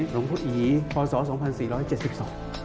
หลงพ่ออีย์พศ๒๔๗๒